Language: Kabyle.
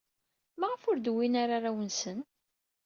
Maɣef ur d-wwin ara arraw-nsen?